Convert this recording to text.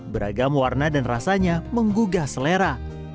beragam warna dan rasanya menggugah selera